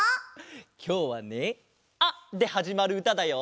きょうはね「あ」ではじまるうただよ！